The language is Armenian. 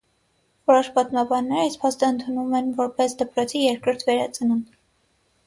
Որոշ պատմաբաններ այս փաստը ընդունում են որպես «դպրոցի երկրորդ վերածնունդ»։